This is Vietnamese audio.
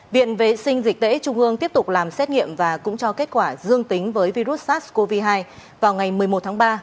viện vệ sinh dịch tễ trung ương tiếp tục làm xét nghiệm và cũng cho kết quả dương tính với virus sars cov hai vào ngày một mươi một tháng ba